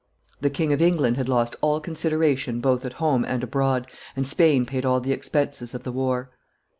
The King of England had lost all consideration both at home and abroad, and Spain paid all the expenses of the war.